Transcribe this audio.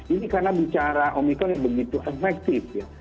ini karena bicara omikron yang begitu efektif ya